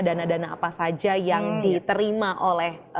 dana dana apa saja yang diterima oleh